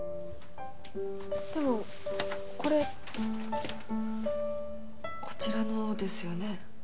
でもこれこちらのですよね？